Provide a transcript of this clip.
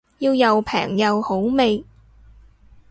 要又平又好味